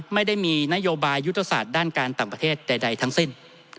ไม่ได้มีนโยบายยุทธศาสตร์ด้านการต่างประเทศใดทั้งสิ้น